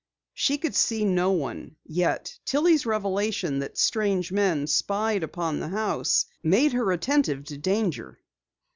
She could see no one, yet Tillie's revelation that strange men spied upon the house, made her attentive to danger.